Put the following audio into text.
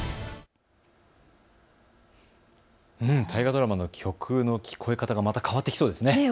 大河ドラマの曲の聞こえ方がまた変わってきそうですね。